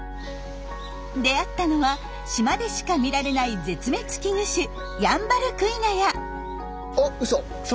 出会ったのは島でしか見られない絶滅危惧種ヤンバルクイナや。